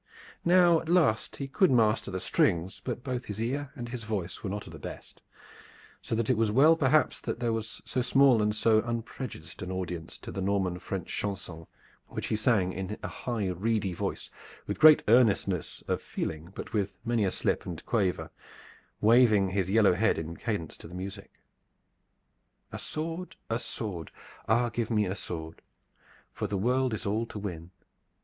Now at last he could master the strings, but both his ear and his voice were not of the best, so that it was well perhaps that there was so small and so unprejudiced an audience to the Norman French chanson, which he sang in a high reedy voice with great earnestness of feeling, but with many a slip and quaver, waving his yellow head in cadence to the music: A sword! A sword! Ah, give me a sword! For the world is all to win.